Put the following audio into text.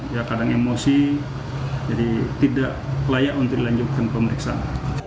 ya kadang emosi jadi tidak layak untuk dilanjutkan pemeriksaan